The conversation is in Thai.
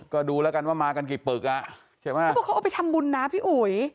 ก็ดูแล้วกันว่ามากันกี่ปึกอ่ะใช่ไหมเขาบอกเขาเอาไปทำบุญนะพี่อุ๋ย